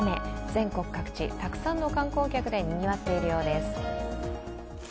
全国各地、たくさんの観光客でにぎわっているようです。